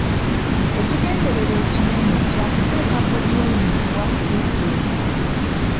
Ekigendererwa ekinene kyakuteeka Bobi Wine ku bwa pulezidenti.